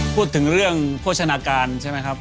พูดถึงเรื่องโภชนาการใช่ไหมครับ